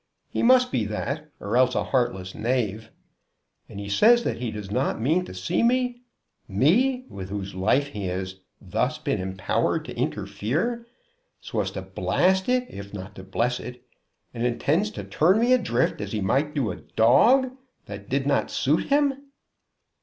He must be that or else a heartless knave. And he says that he does not mean to see me, me with whose life he has thus been empowered to interfere, so as to blast it if not to bless it, and intends to turn me adrift as he might do a dog that did not suit him!